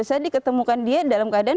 saya diketemukan dia dalam keadaan